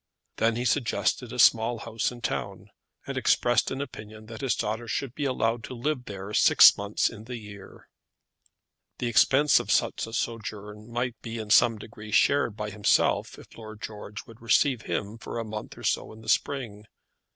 Then he suggested a small house in town, and expressed an opinion that his daughter should be allowed to live there six months in the year. The expense of such a sojourn might be in some degree shared by himself if Lord George would receive him for a month or so in the spring.